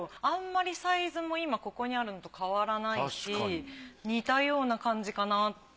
あんまりサイズも今ここにあるのと変わらないし似たような感じかな。